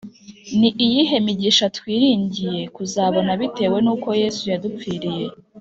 Ni iyihe migisha twiringiye kuzabona bitewe n uko Yesu yadupfiriye